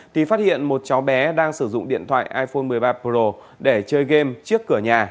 thì phát hiện một cháu bé đang sử dụng điện thoại iphone một mươi ba pro để chơi game trước cửa nhà